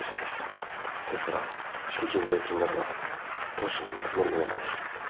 ですから敷金礼金などは当初の見積もりのままです。